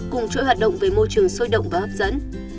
cùng chuỗi hoạt động về môi trường sôi động và hấp dẫn